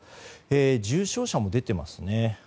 重症者も出てますね。